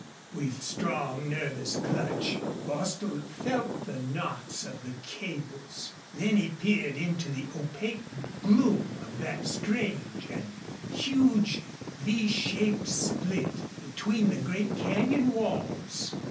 With strong, nervous clutch Bostil felt the knots of the cables. Then he peered into the opaque gloom of that strange and huge V shaped split between the great canyon walls.